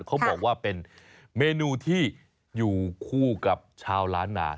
เขาบอกว่าเป็นเมนูที่อยู่คู่กับชาวล้านนา